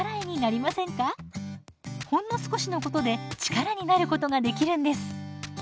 ほんの少しのことで力になることができるんです。